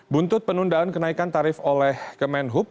buntut penundaan kenaikan tarif oleh kemenhub